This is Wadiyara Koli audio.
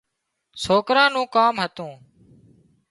سوڪران نُون ڪام هتون